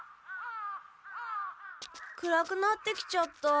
暗くなってきちゃった。